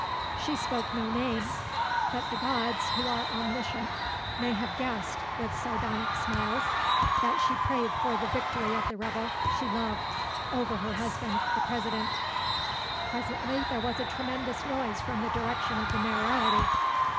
She spoke no name; but the gods, who are omniscient, may have guessed, with sardonic smiles, that she prayed for the victory of the rebel she loved over her husband, the President. Presently there was a tremendous noise from the direction of the Mayoralty.